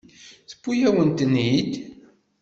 Tewwi-yawen-ten-id.